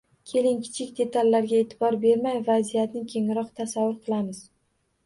Keling, kichik detallarga e’tibor bermay, vaziyatni kengroq tasavvur qilamiz.